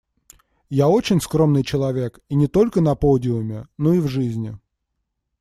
Я очень скромный человек, и не только на подиуме, но и в жизни.